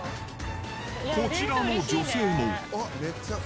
こちらの女性も。